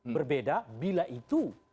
berbeda bila itu